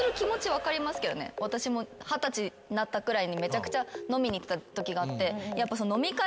私も二十歳になったくらいにめちゃくちゃ飲みに行ってたときがあってやっぱ飲み会。